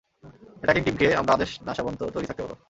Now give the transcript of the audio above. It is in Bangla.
এটাকিং টিমকে আমার আদেশ না আসা পর্যন্ত তৈরি থাকতে বলো।